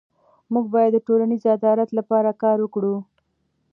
موږ باید د ټولنیز عدالت لپاره کار وکړو.